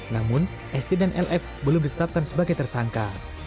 namun sd dan lf belum ditetapkan sebagai tersangka